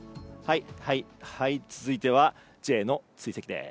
続いては、Ｊの追跡です。